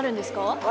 はい。